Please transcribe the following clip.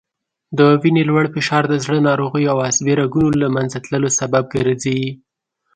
وینې لوړ فشار د زړه ناروغیو او عصبي رګونو له منځه تللو سبب ګرځي